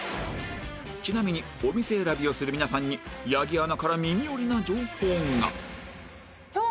ちなみにお店選びをする皆さんに八木アナから耳寄りな情報が